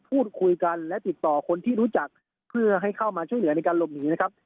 พูดคุยกันและติดต่อคนที่รู้จักเพื่อให้เข้ามาช่วยเหลือในการหลบหนีนะครับ